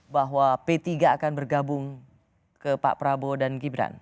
bahwa p tiga akan bergabung ke pak prabowo dan gibran